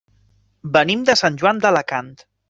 Venim de Sant Joan d'Alacant.